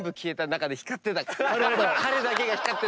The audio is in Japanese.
彼だけが光ってた。